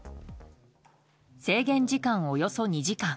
制限時間およそ２時間。